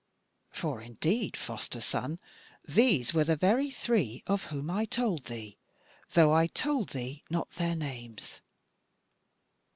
"For indeed, foster son, these were the very three of whom I told thee, though I told thee not their names.